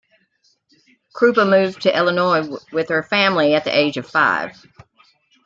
Krupa moved to Illinois with her family at the age of five.